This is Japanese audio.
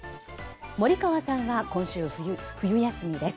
森川さんは今週、冬休みです。